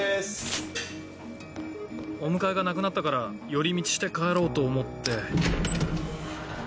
お迎えがなくなったから寄り道して帰ろうと思って。